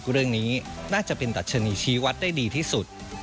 เรื่องนี้น่าจะเป็นดัชนีชี้วัดได้ดีที่สุด